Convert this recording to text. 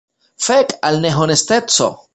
Fek al nehonesteco!